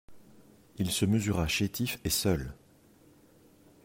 Il se mesura chétif et seul.